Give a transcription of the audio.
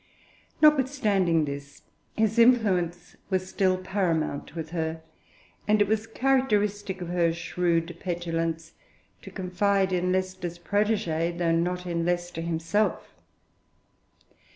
Notwithstanding this, his influence was still paramount with her, and it was characteristic of her shrewd petulance to confide in Leicester's protégé, although not in Leicester himself.